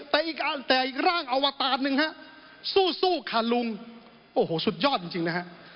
แต่อีกร่างอวตารหนึ่งฮะสู้ค่ะลุงโอ้โหสุดยอดจริงนะฮะ